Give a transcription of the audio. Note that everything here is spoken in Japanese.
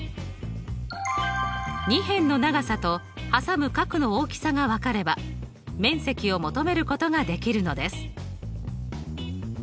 ２辺の長さとはさむ角の大きさが分かれば面積を求めることができるのです。